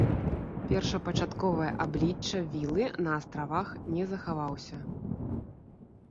Першапачатковае аблічча вілы на астравах не захаваўся.